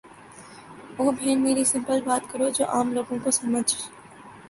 او بہن میری سمپل بات کرو جو عام لوگوں کو سمحجھ